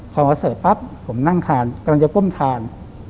พอมาเสิร์ฟปั๊บผมนั่งทานกำลังจะก้มทาน